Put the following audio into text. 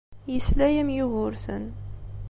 Yesla-am Yugurten.